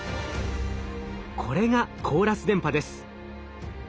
これがコーラス電波です。